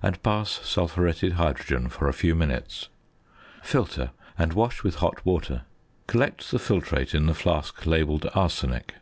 and pass sulphuretted hydrogen for a few minutes. Filter, and wash with hot water. Collect the filtrate in the flask labelled "arsenic."